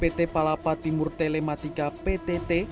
pt palapa timur telematika ptt